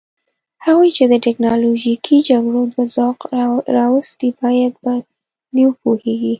هغوی چې د تکنالوژیکي جګړو په ذوق راوستي باید په دې وپوهیږي.